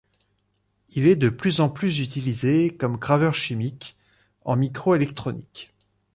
Il est de plus en plus utilisé comme graveur chimique en micro-électronique.